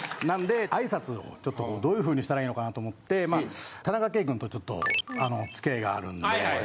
挨拶をちょっとどういう風にしたらいいのかなと思って田中圭くんとちょっと付き合いがあるんではい。